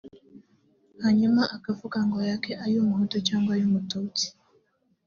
hanyuma akavuga ngo yake ay’umuhutu cyangwa ay’umututsi